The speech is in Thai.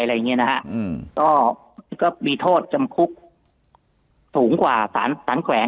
อะไรอย่างเงี้ยนะฮะอืมก็มีโทษจำคุกสูงกว่าสารสารแขวง